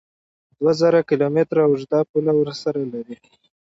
دوه زره کیلو متره اوږده پوله ورسره لري